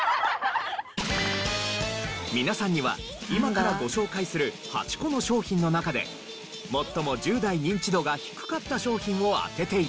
皆さんには今からご紹介する８個の商品の中で最も１０代ニンチドが低かった商品を当てて頂きます。